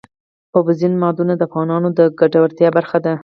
اوبزین معدنونه د افغانانو د ګټورتیا برخه ده.